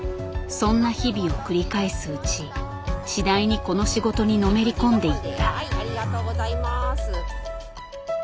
そんな日々を繰り返すうち次第にこの仕事にのめり込んでいった。